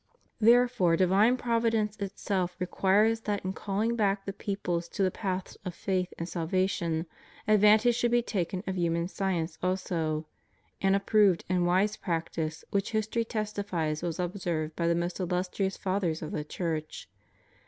Therefore divine Providence itself requires that in calling back the peoples to the paths of faith and salva tion advantage should be taken of human science also — an approved and wise practice which history testifies was observed by the most illustrious Fathers of the Church.